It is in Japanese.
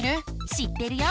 知ってるよ！